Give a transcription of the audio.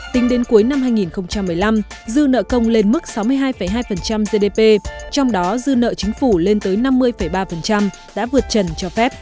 tính đến cuối năm hai nghìn một mươi năm dư nợ công lên mức sáu mươi hai hai gdp trong đó dư nợ chính phủ lên tới năm mươi ba đã vượt trần cho phép